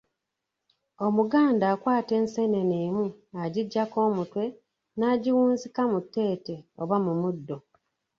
Omuganda akwata enseenene emu agiggyako omutwe n'agiwunzika mu tteete oba mu muddo.